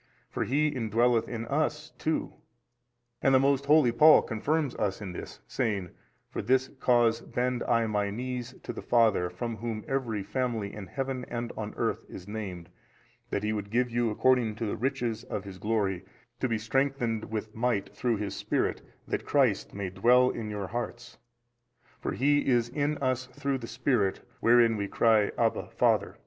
for He indwelleth in us too. And the most holy Paul confirms us in this, saying, For this cause bend I my knees to the Father from Whom every family in heaven and on earth is named, that He would give you according to the riches of His glory to be strengthened with might through His Spirit that Christ may dwell in your hearts: for He is in us through the Spirit wherein we cry Abba Father.